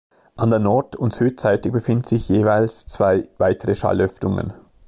An der Nord- und Südseite befinden sich jeweils zwei weitere Schallöffnungen.